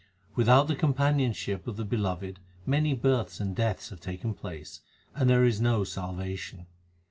Without the companionship of the Beloved many births and deaths have taken place, and there is no salvation.